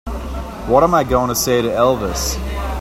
What am I going to say to Elvis?